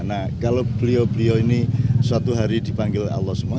nah kalau beliau beliau ini suatu hari dipanggil allah semua